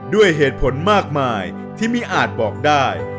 ด้วยเหตุผลมากมายที่ไม่อาจบอกได้